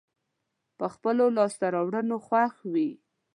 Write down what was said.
په خپلو لاسته راوړنو خوښ وي.